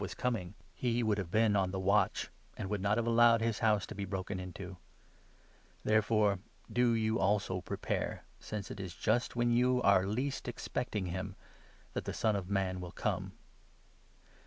MATTHEW, 24 25. 89 was coming, he would have been on the watch, and would not have allowed his house to be broken into. Therefore, do you 44 also prepare, since it is just when you are least expecting him that the Son of Man will come.